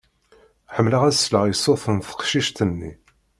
Ḥemmleɣ ad sleɣ i ṣṣut n teqcict-nni.